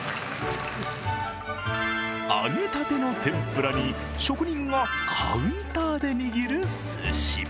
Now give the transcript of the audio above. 揚げたての天ぷらに職人がカウンターで握るすし。